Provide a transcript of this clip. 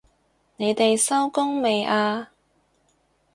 你哋收工未啊？